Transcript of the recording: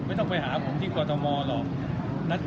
ไม่ต้องไปหาผมที่กรทมหรอก